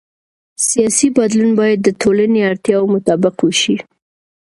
سیاسي بدلون باید د ټولنې اړتیاوو مطابق وشي